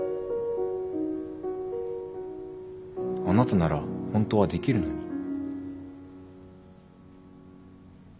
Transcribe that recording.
あなたならホントはできるのに。